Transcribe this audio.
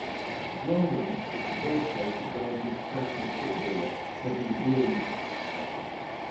Drongen is the birthplace of Belgian professional footballer Kevin De Bruyne.